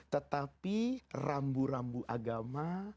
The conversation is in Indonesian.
tetapi rambu rambu agama